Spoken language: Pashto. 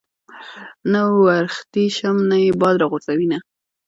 نه ورختی شم نه ئې باد را غورځوېنه